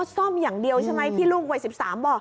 อ๋อซ่อมอย่างเดียวใช่ไหมที่ลูกไว้๑๓บ่